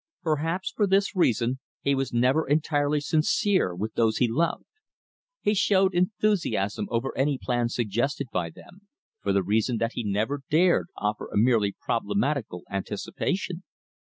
Perhaps for this reason he was never entirely sincere with those he loved. He showed enthusiasm over any plan suggested by them, for the reason that he never dared offer a merely problematical anticipation.